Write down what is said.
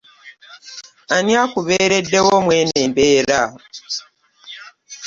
Ani akuberedewo mweno embeera?